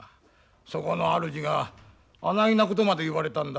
そこのあるじがあないなことまで言われたんだ。